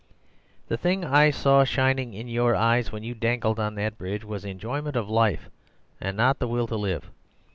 The thing I saw shining in your eyes when you dangled on that bridge was enjoyment of life and not "the Will to Live."